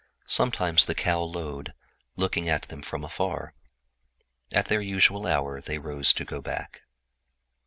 Sometimes the cow lowed, looking at them from afar. At their usual hour they rose to go back.